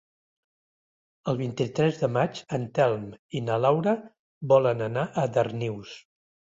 El vint-i-tres de maig en Telm i na Laura volen anar a Darnius.